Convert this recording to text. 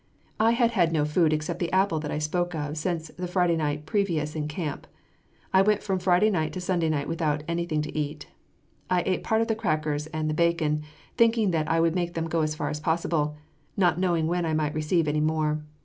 I had had no food except the apple that I spoke of, since the Friday night previous in camp; I went from Friday night to Sunday night without anything to eat. I ate part of the crackers and the bacon, thinking that I would make them go as far as possible, not knowing when I might receive any more.